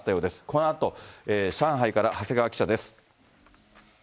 このあと上海から長谷川記者です。